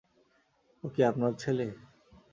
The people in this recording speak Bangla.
ও কি আপনার ছেলে?